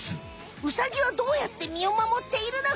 ウサギはどうやって身を守っているのか？